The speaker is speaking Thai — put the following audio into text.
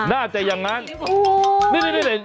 น่าจะอย่างนั้น